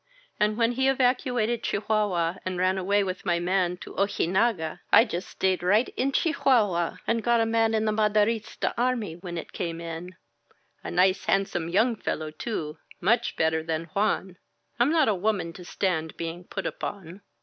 And when he evacuated Chi huahua and ran away with my man to Ojinaga, I just stayed right in Chihuahua and got a man in the Ma derista army when it came in. A nice handsome young fellow, too, — much better than Juan. I'm not a woman to stand being put upon.